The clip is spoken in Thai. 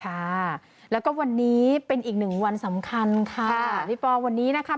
ค่ะแล้วก็วันนี้เป็นอีกหนึ่งวันสำคัญค่ะพี่ปอลวันนี้นะคะ